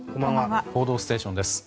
「報道ステーション」です。